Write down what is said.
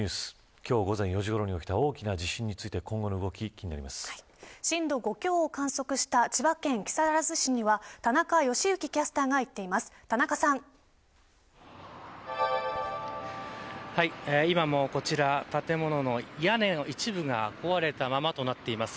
今日、午前４時ごろに起きた大きな地震について震度５強を観測した千葉県木更津市には田中良幸キャスターが今もこちら建物の屋根の一部が壊れたままとなっています。